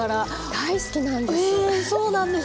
大好きなんです！